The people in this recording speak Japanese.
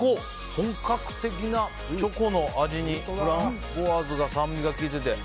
本格的なチョコの味にフランボワーズが酸味が効いてて。